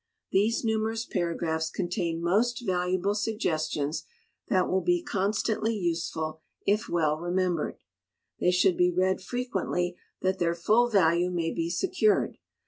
These numerous paragraphs contain most valuable suggestions, that will be constantly useful if well remembered. They should be read frequently that their full value may be secured.